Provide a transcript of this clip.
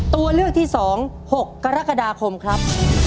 ตัวเลือกที่๒๖กรกฎาคมครับ